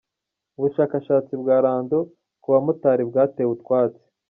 Ubushakashatsi bwa rando ku bamotari bwatewe utwatsi